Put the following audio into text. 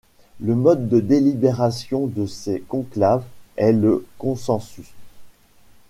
Le mode de délibération de ces conclaves est le consensus.